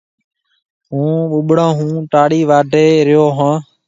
هُون ٻُٻڙون هون ٽاݪِي واڍهيَ ريو هون۔